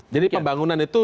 jadi pembangunan itu